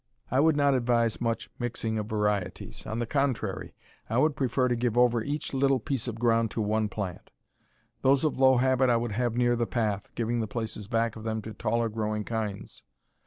I would not advise much mixing of varieties. On the contrary, I would prefer to give over each little piece of ground to one plant. Those of low habit I would have near the path, giving the places back of them to taller growing kinds.